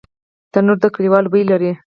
تنور د کلیوالو بوی لري